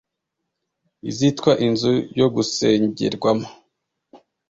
izitwa inzu yo gusengerwamo.